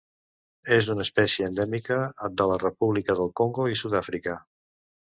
És una espècie endèmica de la República del Congo i Sud-àfrica.